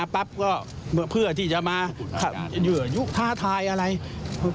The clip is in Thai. กับเมื่อที่ใคร